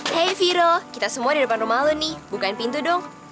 hei viro kita semua di depan rumah lo nih bukain pintu dong